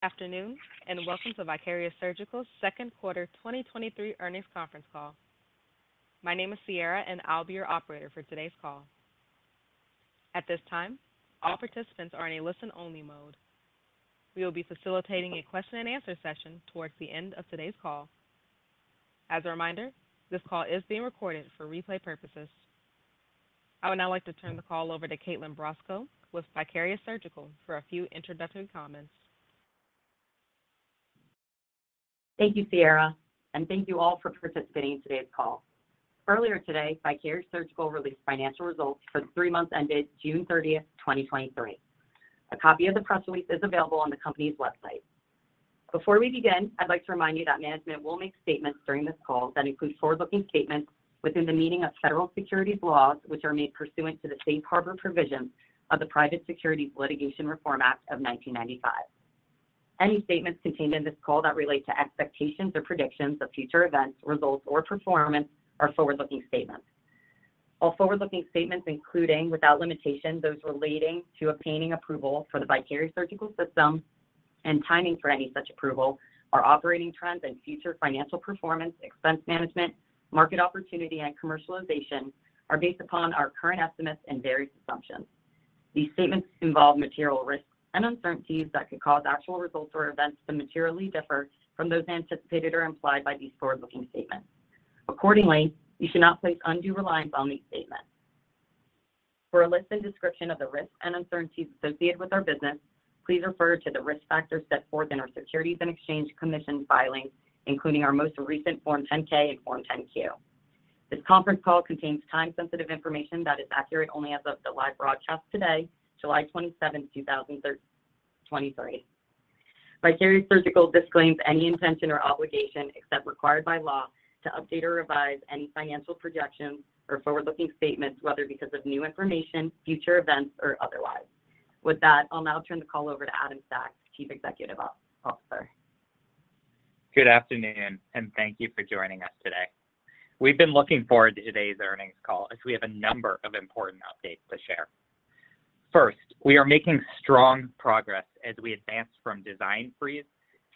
Good afternoon, and welcome to Vicarious Surgical's Q2 2023 earnings conference call. My name is Sierra, and I'll be your operator for today's call. At this time, all participants are in a listen-only mode. We will be facilitating a question and answer session towards the end of today's call. As a reminder, this call is being recorded for replay purposes. I would now like to turn the call over to Kaitlyn Brosco with Vicarious Surgical for a few introductory comments. Thank you, Sierra, and thank you all for participating in today's call. Earlier today, Vicarious Surgical released financial results for the three months ended June thirtieth, twenty twenty-three. A copy of the press release is available on the company's website. Before we begin, I'd like to remind you that management will make statements during this call that include forward-looking statements within the meaning of federal securities laws, which are made pursuant to the Safe Harbor provisions of the Private Securities Litigation Reform Act of 1995. Any statements contained in this call that relate to expectations or predictions of future events, results, or performance are forward-looking statements. All forward-looking statements, including, without limitation, those relating to obtaining approval for the Vicarious Surgical system and timing for any such approval, our operating trends and future financial performance, expense management, market opportunity, and commercialization, are based upon our current estimates and various assumptions. These statements involve material risks and uncertainties that could cause actual results or events to materially differ from those anticipated or implied by these forward-looking statements. Accordingly, you should not place undue reliance on these statements. For a list and description of the risks and uncertainties associated with our business, please refer to the risk factors set forth in our Securities and Exchange Commission filings, including our most recent Form 10-K and Form 10-Q. This conference call contains time-sensitive information that is accurate only as of the live broadcast today, July 27, 2023. Vicarious Surgical disclaims any intention or obligation, except required by law, to update or revise any financial projections or forward-looking statements, whether because of new information, future events, or otherwise. With that, I'll now turn the call over to Adam Sachs, Chief Executive Officer. Good afternoon, and thank you for joining us today. We've been looking forward to today's earnings call as we have a number of important updates to share. First, we are making strong progress as we advance from design freeze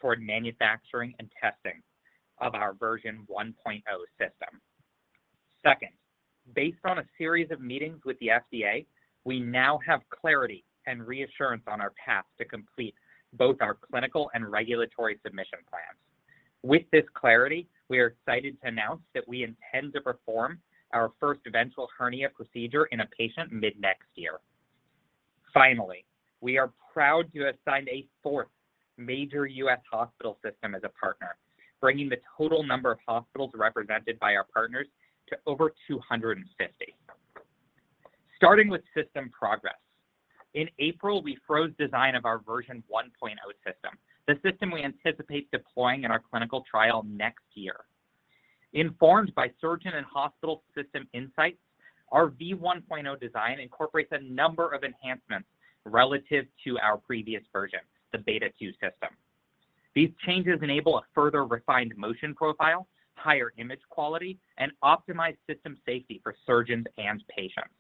toward manufacturing and testing of our version 1.0 system. Second, based on a series of meetings with the FDA, we now have clarity and reassurance on our path to complete both our clinical and regulatory submission plans. With this clarity, we are excited to announce that we intend to perform our first ventral hernia procedure in a patient mid-next year. Finally, we are proud to have signed a fourth major U.S. hospital system as a partner, bringing the total number of hospitals represented by our partners to over 250. Starting with system progress, in April, we froze design of our version 1.0 system, the system we anticipate deploying in our clinical trial next year. Informed by surgeon and hospital system insights, our V 1.0 design incorporates a number of enhancements relative to our previous version, the Beta 2 system. These changes enable a further refined motion profile, higher image quality, and optimized system safety for surgeons and patients.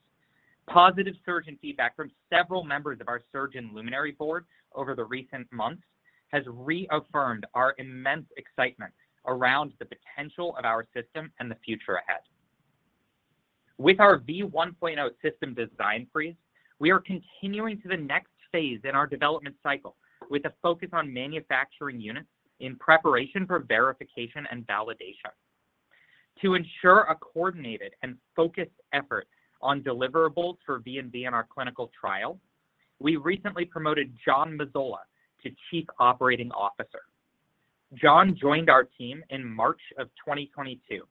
Positive surgeon feedback from several members of our Surgeon Luminary Board over the recent months has reaffirmed our immense excitement around the potential of our system and the future ahead. With our V 1.0 system design freeze, we are continuing to the next phase in our development cycle with a focus on manufacturing units in preparation for verification and validation. To ensure a coordinated and focused effort on deliverables for V and V in our clinical trial, we recently promoted John Mazzola to Chief Operating Officer. John joined our team in March 2022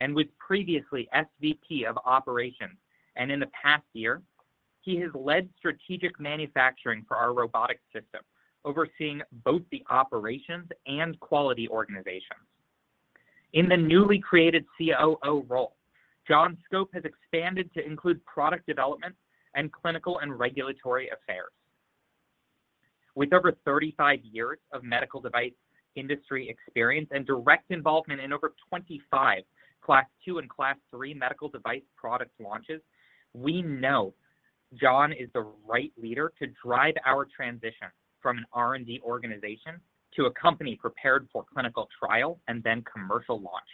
and was previously SVP of Operations, and in the past year, he has led strategic manufacturing for our robotics system, overseeing both the operations and quality organizations. In the newly created COO role, John's scope has expanded to include product development and clinical and regulatory affairs. With over 35 years of medical device industry experience and direct involvement in over 25 Class two and Class three medical device products launches, we know John is the right leader to drive our transition from an R&D organization to a company prepared for clinical trial and then commercial launch.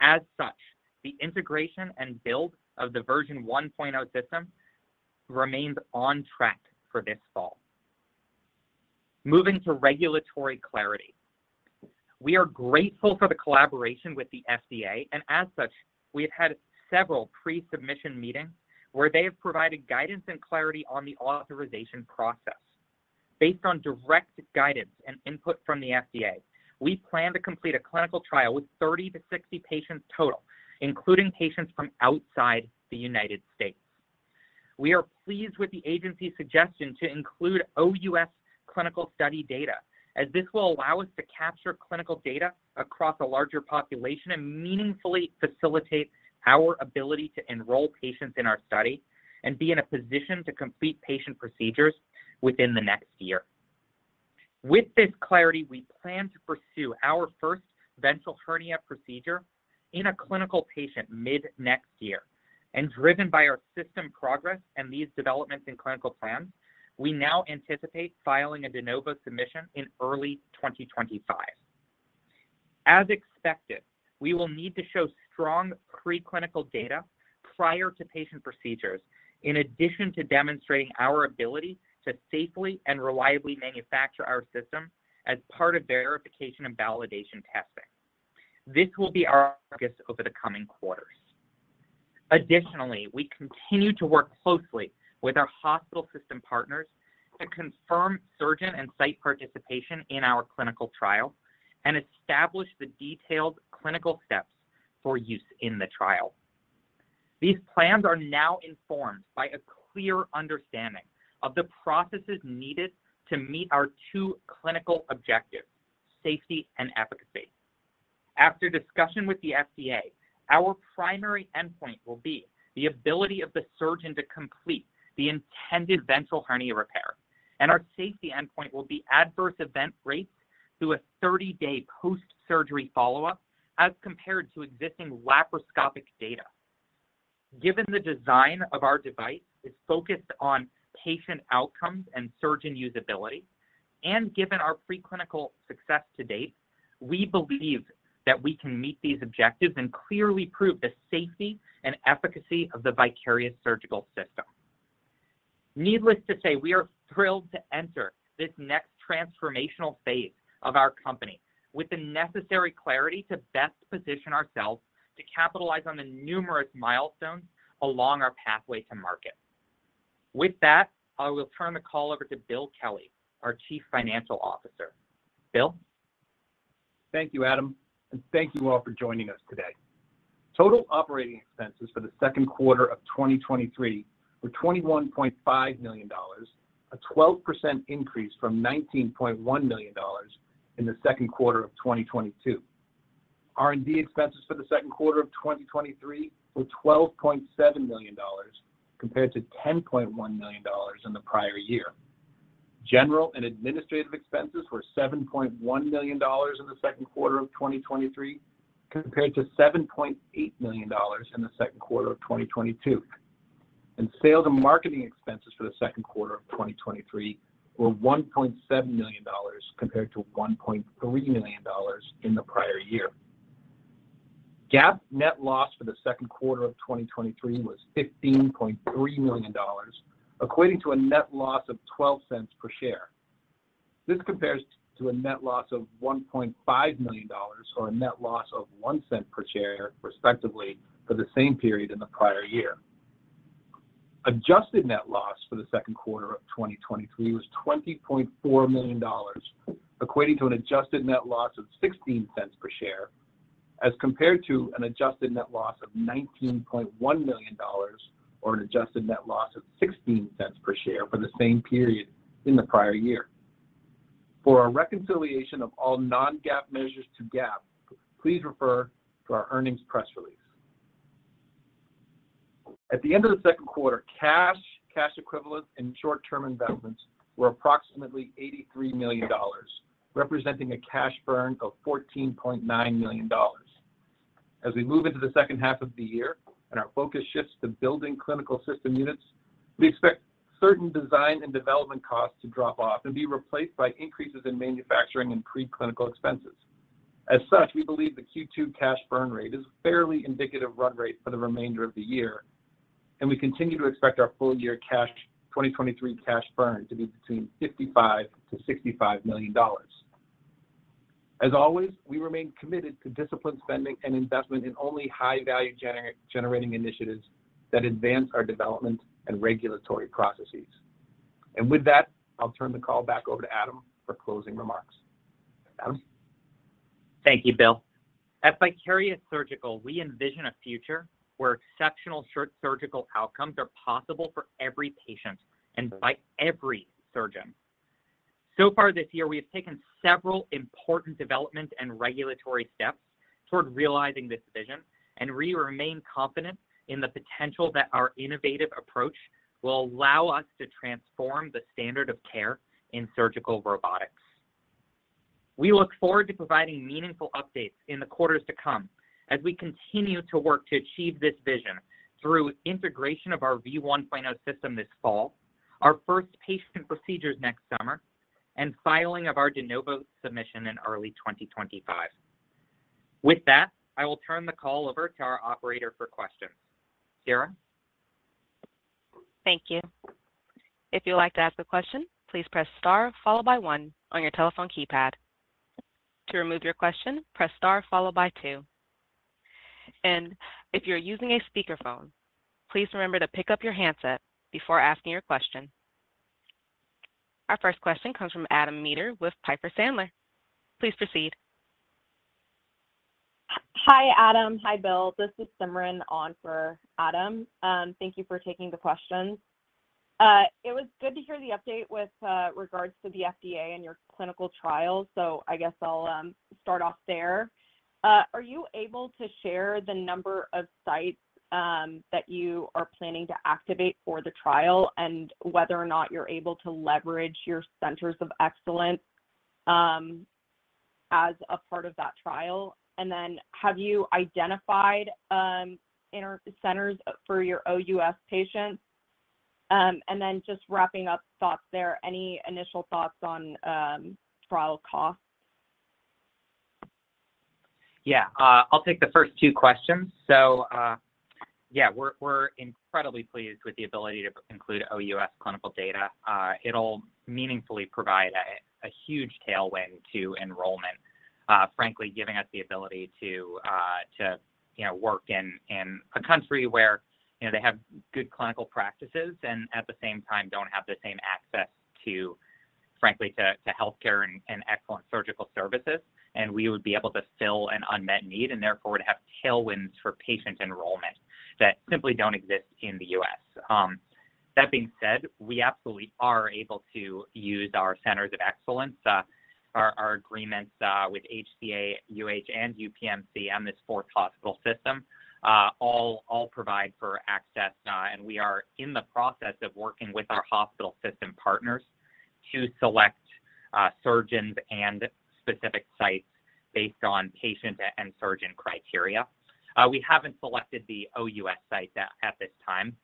As such, the integration and build of the version 1.0 system remains on track for this fall. Moving to regulatory clarity. We are grateful for the collaboration with the FDA, and as such, we have had several pre-submission meetings where they have provided guidance and clarity on the authorization process. Based on direct guidance and input from the FDA, we plan to complete a clinical trial with 30-60 patients total, including patients from outside the United States. We are pleased with the agency's suggestion to include OUS clinical study data, as this will allow us to capture clinical data across a larger population and meaningfully facilitate our ability to enroll patients in our study and be in a position to complete patient procedures within the next year. With this clarity, we plan to pursue our first ventral hernia procedure in a clinical patient mid-next year. Driven by our system progress and these developments in clinical plans, we now anticipate filing a de novo submission in early 2025. As expected, we will need to show strong preclinical data prior to patient procedures, in addition to demonstrating our ability to safely and reliably manufacture our system as part of verification and validation testing. This will be our focus over the coming quarters. Additionally, we continue to work closely with our hospital system partners to confirm surgeon and site participation in our clinical trial and establish the detailed clinical steps for use in the trial. These plans are now informed by a clear understanding of the processes needed to meet our two clinical objectives: safety and efficacy. After discussion with the FDA, our primary endpoint will be the ability of the surgeon to complete the intended ventral hernia repair, and our safety endpoint will be adverse event rates through a 30-day post-surgery follow-up as compared to existing laparoscopic data. Given the design of our device is focused on patient outcomes and surgeon usability, and given our preclinical success to date, we believe that we can meet these objectives and clearly prove the safety and efficacy of the Vicarious Surgical system. Needless to say, we are thrilled to enter this next transformational phase of our company with the necessary clarity to best position ourselves to capitalize on the numerous milestones along our pathway to market. With that, I will turn the call over to Bill Kelly, our Chief Financial Officer. Bill? Thank you, Adam, and thank you all for joining us today. Total operating expenses for the Q2 of 2023 were $21.5 million, a 12% increase from $19.1 million in the Q2 of 2022. R&D expenses for the Q2 of 2023 were $12.7 million, compared to $10.1 million in the prior year. General and administrative expenses were $7.1 million in the Q2 of 2023, compared to $7.8 million in the Q2 of 2022. Sales and marketing expenses for the Q2 of 2023 were $1.7 million, compared to $1.3 million in the prior year. GAAP net loss for the Q2 of 2023 was $15.3 million, equating to a net loss of $0.12 per share. This compares to a net loss of $1.5 million, or a net loss of $0.01 per share, respectively, for the same period in the prior year. Adjusted net loss for the Q2 of 2023 was $20.4 million, equating to an adjusted net loss of $0.16 per share, as compared to an adjusted net loss of $19.1 million or an adjusted net loss of $0.16 per share for the same period in the prior year. For a reconciliation of all non-GAAP measures to GAAP, please refer to our earnings press release. At the end of the Q2, cash, cash equivalents, and short-term investments were approximately $83 million, representing a cash burn of $14.9 million. As we move into the second half of the year and our focus shifts to building clinical system units, we expect certain design and development costs to drop off and be replaced by increases in manufacturing and preclinical expenses. As such, we believe the Q2 cash burn rate is fairly indicative of run rate for the remainder of the year, and we continue to expect our full-year 2023 cash burn to be between $55 million-$65 million. As always, we remain committed to disciplined spending and investment in only high-value generating initiatives that advance our development and regulatory processes. With that, I'll turn the call back over to Adam for closing remarks. Adam? Thank you, Bill. At Vicarious Surgical, we envision a future where exceptional surgical outcomes are possible for every patient and by every surgeon. Far this year, we have taken several important development and regulatory steps toward realizing this vision, and we remain confident in the potential that our innovative approach will allow us to transform the standard of care in surgical robotics. We look forward to providing meaningful updates in the quarters to come as we continue to work to achieve this vision through integration of our V1.0 system this fall, our first patient procedures next summer, and filing of our de novo submission in early 2025. With that, I will turn the call over to our operator for questions. Sarah? Thank you. If you'd like to ask a question, please press star followed by one on your telephone keypad. To remove your question, press star followed by two. If you're using a speakerphone, please remember to pick up your handset before asking your question. Our first question comes from Adam Maeder with Piper Sandler. Please proceed. Hi, Adam. Hi, Bill. This is Simran on for Adam. Thank you for taking the questions. It was good to hear the update with regards to the FDA and your clinical trial, so I guess I'll start off there. Are you able to share the number of sites that you are planning to activate for the trial and whether or not you're able to leverage your centers of excellence as a part of that trial? Have you identified inter centers for your OUS patients? Just wrapping up thoughts there, any initial thoughts on trial costs? Yeah. I'll take the first two questions. Yeah, we're incredibly pleased with the ability to include OUS clinical data. It'll meaningfully provide a huge tailwind to enrollment, frankly, giving us the ability to, to, you know, work in a country where, you know, they have good clinical practices, and at the same time, don't have the same access to, frankly, to healthcare and excellent surgical services. We would be able to fill an unmet need, and therefore, would have tailwinds for patient enrollment that simply don't exist in the U.S. That being said, we absolutely are able to use our centers of excellence. Our agreements with HCA, UH, and UPMC, and this four hospital system, all provide for access. We are in the process of working with our hospital system partners to select surgeons and specific sites based on patient and surgeon criteria. We haven't selected the OUS sites at this time,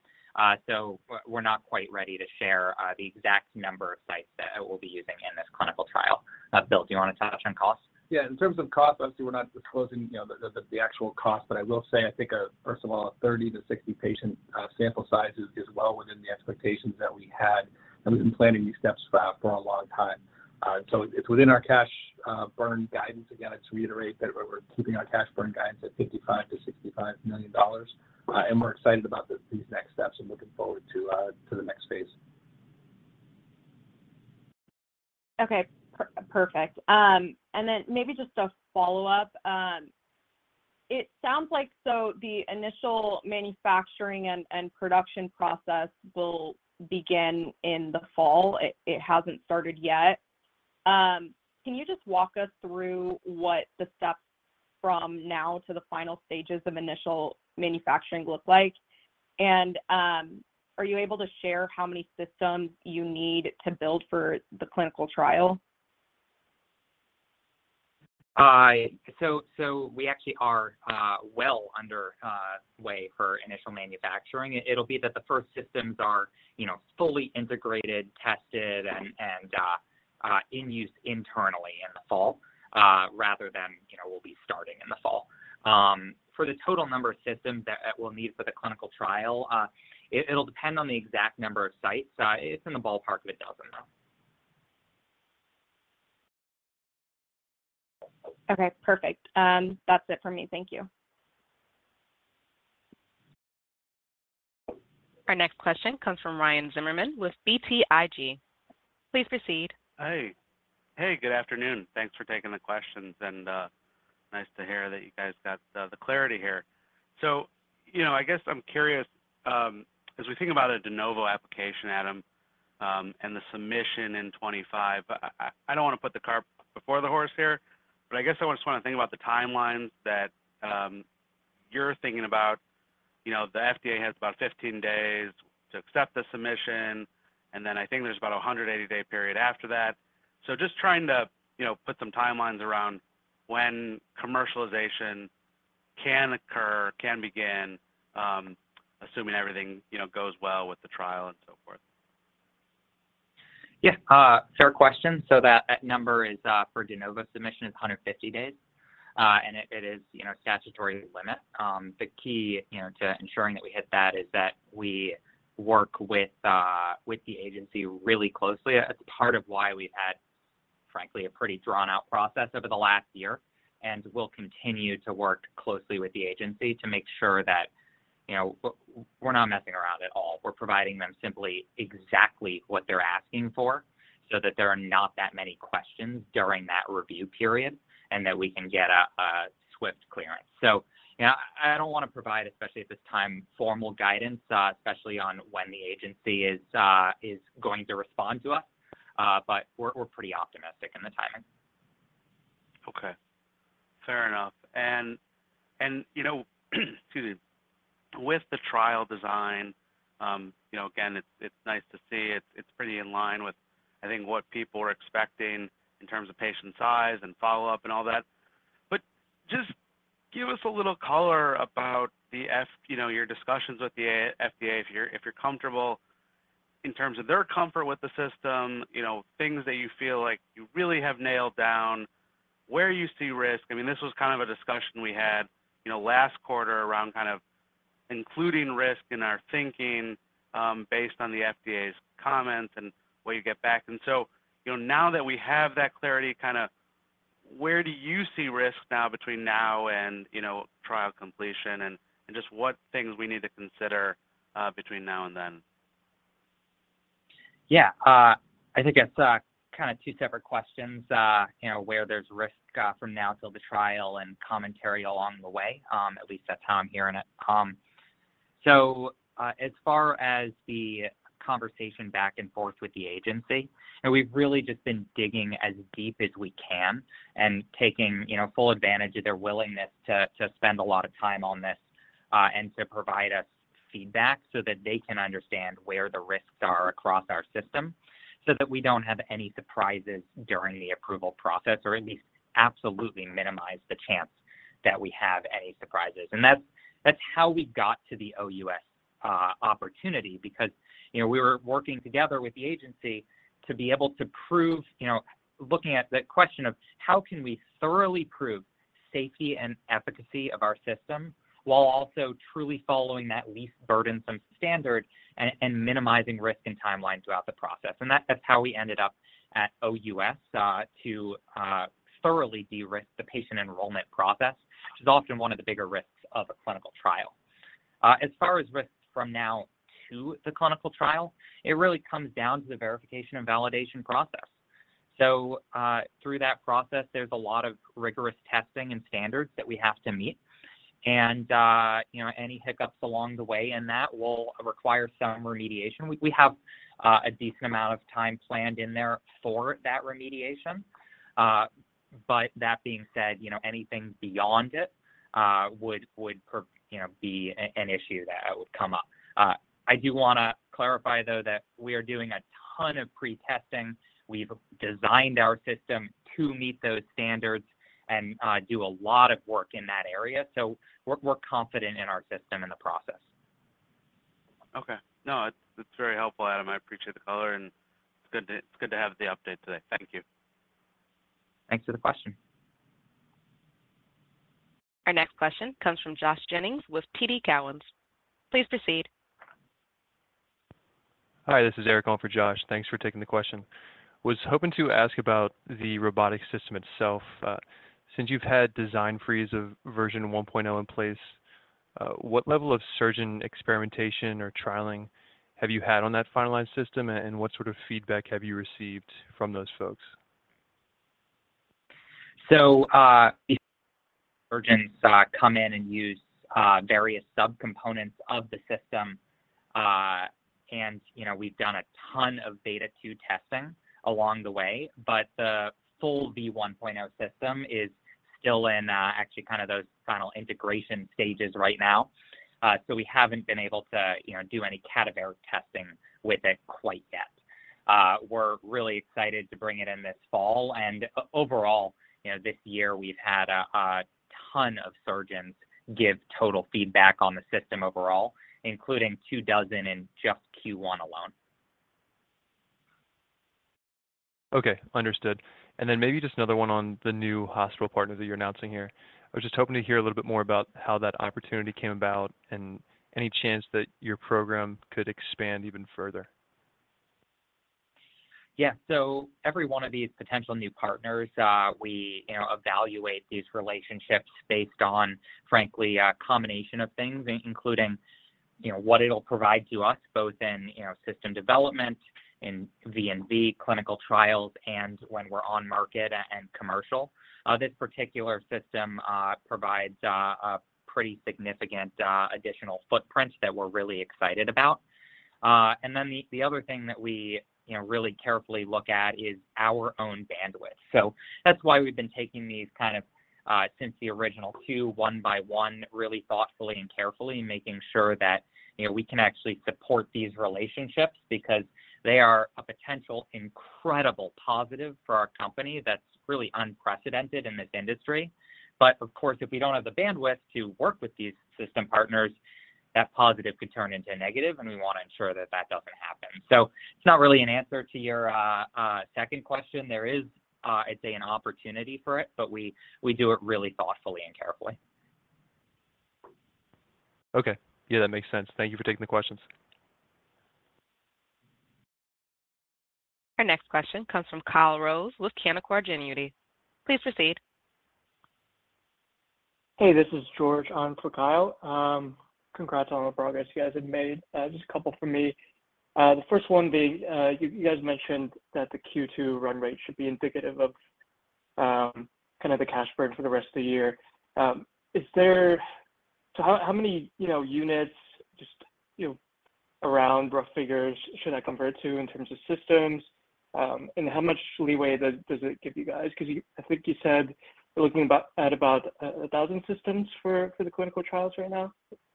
so we're not quite ready to share the exact number of sites that we'll be using in this clinical trial. Bill, do you want to touch on costs? Yeah. In terms of cost, obviously, we're not disclosing, you know, the, the, the actual cost, but I will say, I think, first of all, a 30 to 60 patient sample size is, is well within the expectations that we had, and we've been planning these steps for a long time. It's within our cash burn guidance. Again, to reiterate that we're keeping our cash burn guidance at $55 million-$65 million, and we're excited about these next steps and looking forward to the next phase. Okay, perfect. Then maybe just a follow-up. It sounds like so the initial manufacturing and, and production process will begin in the fall. It hasn't started yet. Can you just walk us through what the steps from now to the final stages of initial manufacturing look like? Are you able to share how many systems you need to build for the clinical trial? So we actually are well underway for initial manufacturing. It'll be that the first systems are, you know, fully integrated, tested, and, and in use internally in the fall, rather than, you know, we'll be starting in the fall. For the total number of systems that we'll need for the clinical trial, it, it'll depend on the exact number of sites. It's in the ballpark of a dozen, though. Okay, perfect. That's it for me. Thank you. Our next question comes from Ryan Zimmerman with BTIG. Please proceed. Hey. Hey, good afternoon. Thanks for taking the questions, nice to hear that you guys got the clarity here. You know, I guess I'm curious, as we think about a de novo application, Adam, and the submission in 2025, I don't want to put the cart before the horse here, I guess I just want to think about the timelines that you're thinking about. You know, the FDA has about 15 days to accept the submission, then I think there's about a 180-day period after that. Just trying to, you know, put some timelines around when commercialization can occur, can begin, assuming everything, you know, goes well with the trial and so forth. Yeah, fair question. That number is for de novo submission is 150 days, and it, it is, you know, statutory limit. The key, you know, to ensuring that we hit that is that we work with the agency really closely. That's part of why we've had, frankly, a pretty drawn-out process over the last year, and we'll continue to work closely with the agency to make sure that, you know, w-we're not messing around at all. We're providing them simply exactly what they're asking for so that there are not that many questions during that review period, and that we can get a, a swift clearance. You know, I, I don't want to provide, especially at this time, formal guidance, especially on when the agency is going to respond to us, but we're, we're pretty optimistic in the timing. Okay. Fair enough. You know, excuse me. With the trial design, you know, again, it's, it's nice to see. It's, it's pretty in line with, I think, what people are expecting in terms of patient size and follow-up and all that. Just give us a little color about the you know, your discussions with the FDA, if you're, if you're comfortable, in terms of their comfort with the system, you know, things that you feel like you really have nailed down, where you see risk. I mean, this was kind of a discussion we had, you know, last quarter around kind of including risk in our thinking, based on the FDA's comments and what you get back. So, you know, now that we have that clarity, kind of where do you see risk now between now and, you know, trial completion? And just what things we need to consider between now and then? Yeah. I think that's, kind of two separate questions, you know, where there's risk, from now till the trial and commentary along the way, at least that's how I'm hearing it. As far as the conversation back and forth with the agency, we've really just been digging as deep as we can and taking, you know, full advantage of their willingness to, to spend a lot of time on this. To provide us feedback so that they can understand where the risks are across our system, so that we don't have any surprises during the approval process, or at least absolutely minimize the chance that we have any surprises. That's, that's how we got to the OUS opportunity, because, you know, we were working together with the agency to be able to prove, you know, looking at the question of how can we thoroughly prove safety and efficacy of our system, while also truly following that least burdensome standard and, and minimizing risk and timeline throughout the process? That-that's how we ended up at OUS to thoroughly de-risk the patient enrollment process, which is often one of the bigger risks of a clinical trial. As far as risks from now to the clinical trial, it really comes down to the verification and validation process. Through that process, there's a lot of rigorous testing and standards that we have to meet. You know, any hiccups along the way, and that will require some remediation. We, we have a decent amount of time planned in there for that remediation. That being said, you know, anything beyond it, would, would pro-- you know, be a-an issue that would come up. I do wanna clarify, though, that we are doing a ton of pre-testing. We've designed our system to meet those standards and do a lot of work in that area, so we're, we're confident in our system and the process. Okay. No, it's, it's very helpful, Adam. I appreciate the color, and it's good to, it's good to have the update today. Thank you. Thanks for the question. Our next question comes from Josh Jennings with TD Cowen. Please proceed. Hi, this is Eric on for Josh. Thanks for taking the question. Was hoping to ask about the robotic system itself. Since you've had design freeze of version 1.0 in place, what level of surgeon experimentation or trialing have you had on that finalized system, and what sort of feedback have you received from those folks? Surgeons come in and use various subcomponents of the system. You know, we've done a ton of beta 2 testing along the way, but the full V 1.0 system is still in, actually kind of those final integration stages right now. We haven't been able to, you know, do any cadaveric testing with it quite yet. We're really excited to bring it in this fall, and overall, you know, this year we've had a ton of surgeons give total feedback on the system overall, including 2 dozen in just Q1 alone. Okay, understood. Maybe just another one on the new hospital partner that you're announcing here. I was just hoping to hear a little bit more about how that opportunity came about, and any chance that your program could expand even further? Yeah. Every one of these potential new partners, we, you know, evaluate these relationships based on, frankly, a combination of things, including, you know, what it'll provide to us, both in, you know, system development, in V&V, clinical trials, and when we're on market and commercial. This particular system provides a pretty significant additional footprint that we're really excited about. Then the other thing that we, you know, really carefully look at is our own bandwidth. That's why we've been taking these kind of since the original two, one by one, really thoughtfully and carefully, making sure that, you know, we can actually support these relationships because they are a potential incredible positive for our company that's really unprecedented in this industry. Of course, if we don't have the bandwidth to work with these system partners, that positive could turn into a negative, and we want to ensure that that doesn't happen. It's not really an answer to your second question. There is, I'd say, an opportunity for it, but we, we do it really thoughtfully and carefully. Okay. Yeah, that makes sense. Thank you for taking the questions. Our next question comes from Kyle Rose with Canaccord Genuity. Please proceed. Hey, this is George on for Kyle. congrats on all the progress you guys have made. just a couple from me. the first one being, you, you guys mentioned that the Q2 run rate should be indicative of, kind of the cash burn for the rest of the year. How many, you know, units just, you know, around rough figures should I compare it to in terms of systems? How much leeway does, does it give you guys? Because you-- I think you said you're looking about, at about, 1,000 systems for, for the clinical trials right now,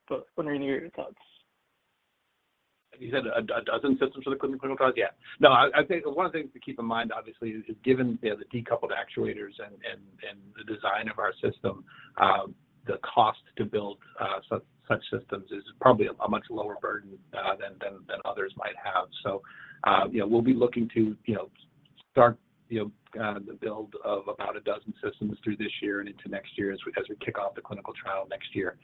but wondering your thoughts? You said 12 systems for the clinical trials? Yeah. No, I, I think one of the things to keep in mind, obviously, is given, you know, the decoupled actuators and, and, and the design of our system, the cost to build such systems is probably a much lower burden than, than, than others might have. Yeah, we'll be looking to, you know, start, you know, the build of about 12 systems through this year and into next year as we, as we kick off the clinical trial next year.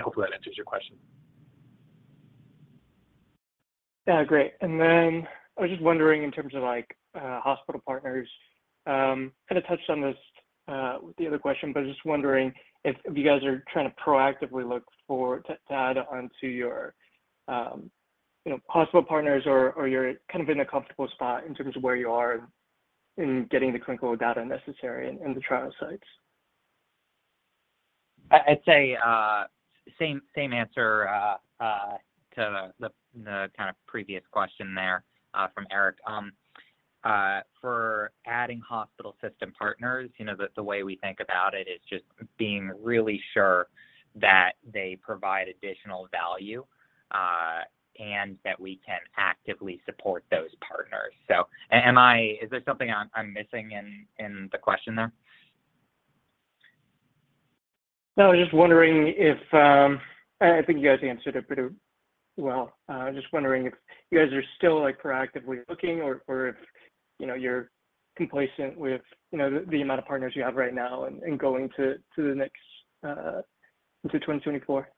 Hopefully that answers your question. Yeah, great. I was just wondering in terms of, like, hospital partners, kind of touched on this, with the other question, but just wondering if you guys are trying to proactively look for... to add onto your, you know, possible partners or, or you're kind of in a comfortable spot in terms of where you are in getting the clinical data necessary in the trial sites? I'd say, same, same answer, to the, the kind of previous question there, from Eric. For adding hospital system partners, you know, the, the way we think about it is just being really sure that they provide additional value, and that we can actively support those partners. Am I-- is there something I'm, I'm missing in, in the question there? No, I was just wondering if. I, I think you guys answered it pretty well. I was just wondering if you guys are still, like, proactively looking or if, you know, you're complacent with, you know, the, the amount of partners you have right now and, and going to, to the next, into 2024?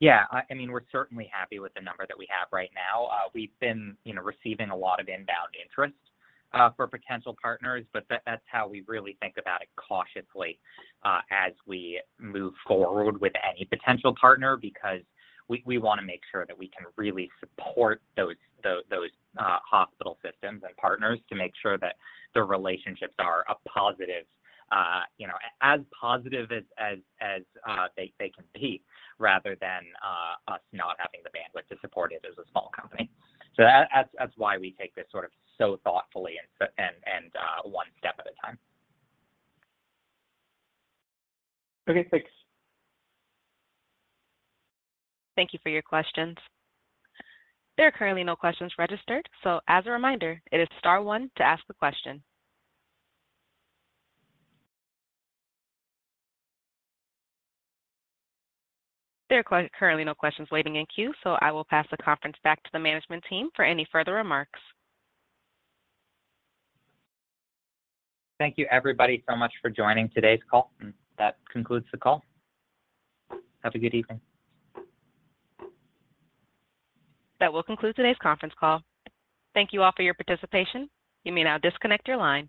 Yeah. I, I mean, we're certainly happy with the number that we have right now. We've been, you know, receiving a lot of inbound interest for potential partners, but that's how we really think about it cautiously as we move forward with any potential partner because we, we wanna make sure that we can really support those, those, those hospital systems and partners to make sure that the relationships are a positive, you know, as positive as, as, as they, they can be, rather than us not having the bandwidth to support it as a small company. That's, that's why we take this sort of so thoughtfully and, and, and one step at a time. Okay, thanks. Thank you for your questions. There are currently no questions registered. As a reminder, it is star one to ask a question. There are currently no questions waiting in queue. I will pass the conference back to the management team for any further remarks. Thank you, everybody, so much for joining today's call, and that concludes the call. Have a good evening. That will conclude today's conference call. Thank you all for your participation. You may now disconnect your line.